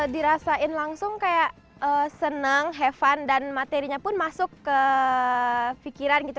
dirasain langsung seneng have fun dan materinya pun masuk ke fikiran gitu